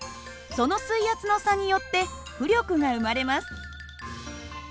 その水圧の差によって浮力が生まれます。